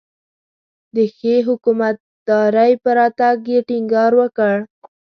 د ښې حکومتدارۍ پر راتګ یې ټینګار وکړ.